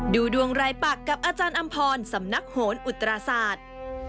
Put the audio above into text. ดูดวงรายปักกับอาจารย์อำพรสำนักโหนอุตราศาสตร์